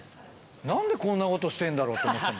なんでこんなことしてんだろうと思ってたの。